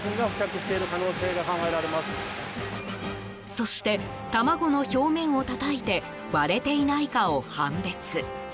そして、卵の表面をたたいて割れていないかを判別。